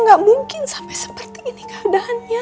gak mungkin sampai seperti ini keadaannya